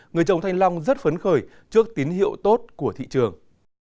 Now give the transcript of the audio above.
người trồng thanh long rất phấn khởi trước tín hiệu tốt của thị trường